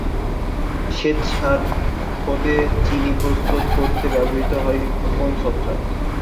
শ্বেতসার হতে চিনি প্রস্তুত করতে ব্যবহৃত হয় কোন ছত্রাক?